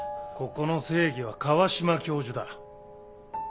ここの正義は川島教授だ。